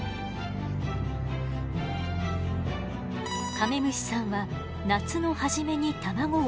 カメムシさんは夏の初めに卵を産みます。